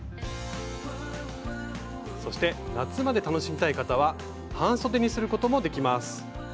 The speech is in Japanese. そして夏まで楽しみたい方は半そでにすることもできます。